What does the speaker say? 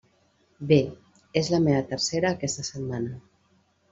Bé, és la meva tercera aquesta setmana.